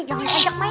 jangan aja main